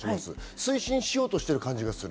推進しようとする感じがする。